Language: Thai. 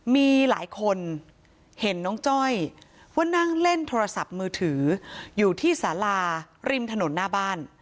มีหลายคนเห็นน้องจ้อยว่านั่งเล่นโทรศัพท์มือถืออยู่ที่สาราริมถนนหน้าบ้าน